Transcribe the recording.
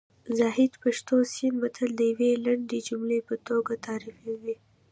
زاهد پښتو سیند متل د یوې لنډې جملې په توګه تعریفوي